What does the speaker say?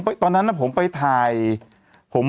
สวัสดีครับคุณผู้ชม